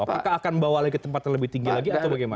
apakah akan bawa lagi ke tempat yang lebih tinggi lagi atau bagaimana